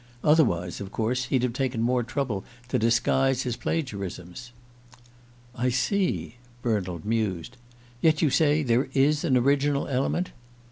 Otherwise, of course, he'd have taken more trouble to disguise his plagiarisms." "I see," Bernald mused. "Yet you say there is an original element?"